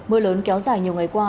mưa lớn kéo dài nhiều ngày qua